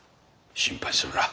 心配するな。